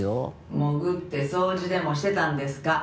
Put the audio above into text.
「潜って掃除でもしてたんですか？」